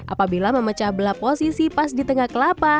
apabila memecah belah posisi pas di tengah kelapa